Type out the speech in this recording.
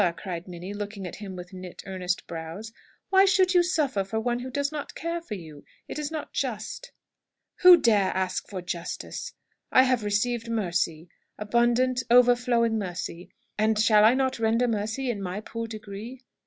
cried Minnie, looking at him with knit, earnest brows. "Why should you suffer for one who does not care for you? It is not just." "Who dare ask for justice? I have received mercy abundant, overflowing mercy and shall I not render mercy in my poor degree?